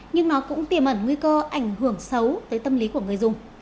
nhưng nó cũng tiềm ẩn nguy cơ ảnh hưởng xấu tới tâm lý của người dùng